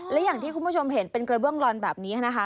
และอย่างที่คุณผู้ชมเห็นเป็นกระเบื้องลอนแบบนี้นะคะ